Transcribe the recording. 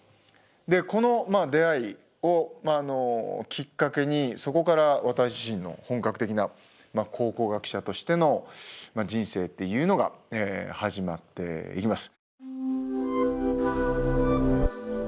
この出会いをきっかけにそこから私自身の本格的な考古学者としての人生っていうのが始まっていきます。